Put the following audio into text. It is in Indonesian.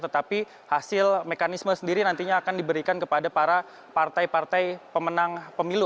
tetapi hasil mekanisme sendiri nantinya akan diberikan kepada para partai partai pemenang pemilu